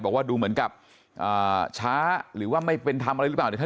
บอกว่าดูเหมือนกับช้าหรือว่าไม่เป็นธรรมอะไรหรือเปล่าเนี่ย